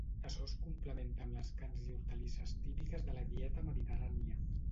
Açò es complementa amb les carns i hortalisses típiques de la dieta mediterrània.